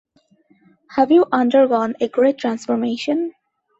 Have you undergone a great transformation?